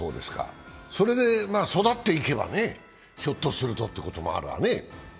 それで育っていけばひょっとするとということもあるわね。